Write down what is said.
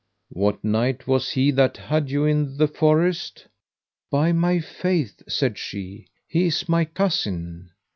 What knight was he that had you in the forest? By my faith, said she, he is my cousin.